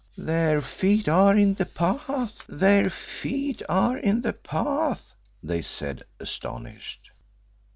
"Their feet are in the Path! Their feet are in the Path!" they said, astonished.